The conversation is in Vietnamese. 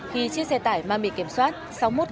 khi chiếc xe tải ma mì kiểm soát